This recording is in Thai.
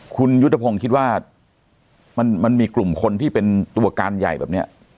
คุณยุทธพงศ์คิดว่ามันมีกลุ่มคนที่เป็นตัวการใหญ่แบบนี้